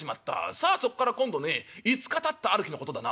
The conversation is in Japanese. さあそっから今度ね５日たったある日のことだな。